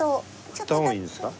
振った方がいいですか？